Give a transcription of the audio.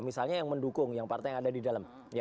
misalnya yang mendukung yang partai yang ada di dalam